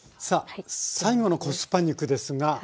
さあ最後の「コスパ肉」ですが。